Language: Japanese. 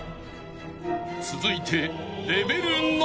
［続いて］